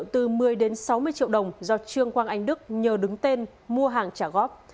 từ một mươi đến sáu mươi triệu đồng do trương quang anh đức nhờ đứng tên mua hàng trả góp